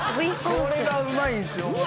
これがうまいんすようわ